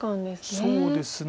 そうですね。